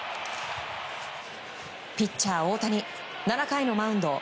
ピッチャー大谷７回のマウンド。